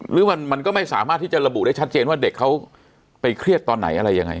หรือมันก็ไม่สามารถที่จะระบุได้ชัดเจนว่าเด็กเขาไปเครียดตอนไหนอะไรยังไง